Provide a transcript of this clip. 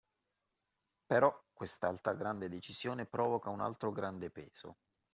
Però quest'altra grande decisione provoca un altro grande peso